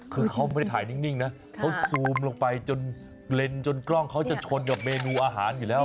คือเขาไม่ได้ถ่ายนิ่งนะเขาซูมลงไปจนเลนจนกล้องเขาจะชนกับเมนูอาหารอยู่แล้ว